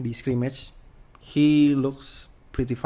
dia kelihatan cukup baik sih